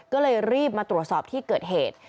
ก็เลยรีบมาตรวจสอบที่เกิดเหตุ